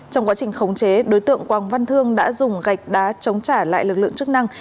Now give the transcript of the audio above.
trong quá trình khống chế đối tượng quang văn thương đã dùng gạch đá chống trả lại lực lượng chức năng